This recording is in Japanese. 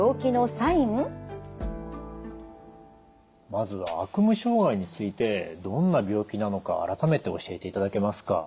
まずは悪夢障害についてどんな病気なのか改めて教えていただけますか？